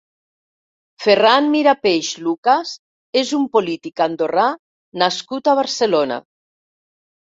Ferran Mirapeix Lucas és un polític andorrà nascut a Barcelona.